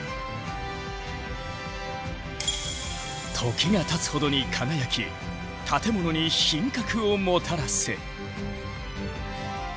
時がたつほどに輝き建物に品格をもたらす。